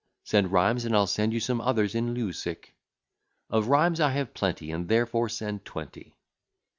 Send rhymes, and I'll send you some others in lieu sick. Of rhymes I have plenty, And therefore send twenty.